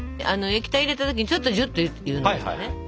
液体入れた時ちょっとジュッと言うのがいいよね。